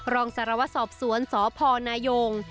รองสารวัตรสอบสวนสพนายง